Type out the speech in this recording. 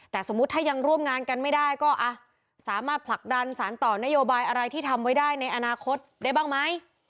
แต่สมมุติถ้ายังร่วมงานกันไม่ได้ก็สามารถผลักดันสารต่อนโยบายอะไรที่ทำไว้ได้ในอนาคตได้บ้างไหม